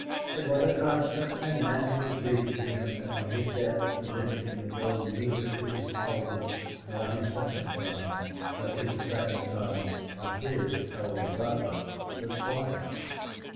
It was a constant and natural grief to him that on his death the living would go neither to his eldest nor his second son, but to the second son of his elder brother, the Squire.